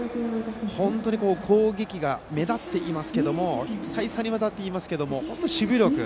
本当に攻撃が目立っていますけれども再三にわたって言いますが守備力。